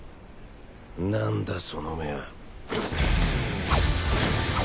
なんだその目は。